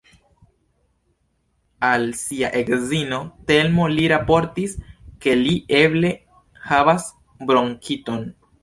Al sia edzino, Telmo, li raportis ke li eble havas bronkiton.